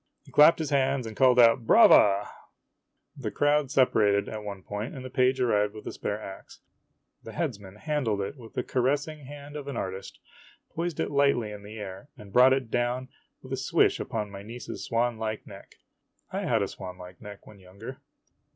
He clapped his hands and called out, " Brava !" The crowd separated at one point and the page arrived with the spare ax. The headsman handled it with the caressing hand of an artist, poised it lightly in the air, and brought it down with a swish upon my niece's swanlike neck. I had a swanlike neck when younger.